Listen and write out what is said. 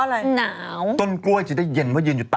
มันใช่เหรอพี่